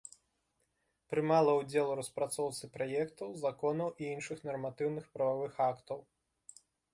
Прымала ўдзел у распрацоўцы праектаў законаў і іншых нарматыўных прававых актаў.